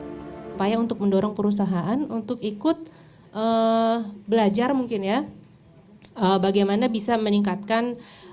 upaya untuk mendorong perusahaan untuk ikut belajar mungkin ya bagaimana bisa meningkatkan